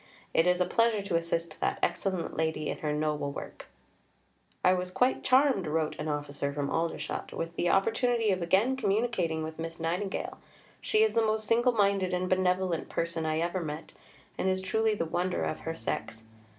It is a pleasure to assist that excellent lady in her noble work": "I was quite charmed," wrote an officer from Aldershot, "with the opportunity of again communicating with Miss Nightingale. She is the most single minded and benevolent person I ever met, and is truly the wonder of her sex.